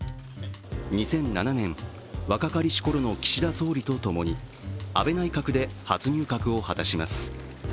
２００７年、若かりしころの岸田総理とともに安倍内閣で初入閣を果たします。